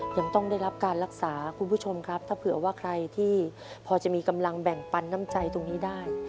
พอจะมีกำลังแบ่งปันน้ำใจตรงนี้ได้